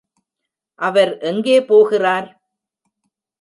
அவர் எங்கே போகிறார்?